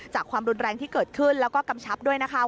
ความรุนแรงที่เกิดขึ้นแล้วก็กำชับด้วยนะคะ